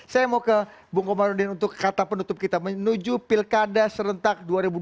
saya mau ke bung komarudin untuk kata penutup kita menuju pilkada serentak dua ribu dua puluh